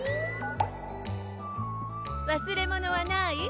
わすれ物はない？